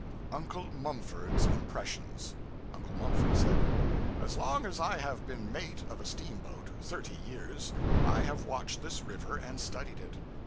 UNCLE MUMFORD'S IMPRESSIONS Uncle Mumford said 'As long as I have been mate of a steamboat thirty years I have watched this river and studied it.